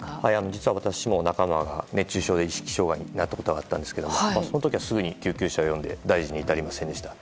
実は私も仲間が熱中症で意識障害になったことがあったんですけどその時はすぐに救急車を呼んで大事に至りませんでした。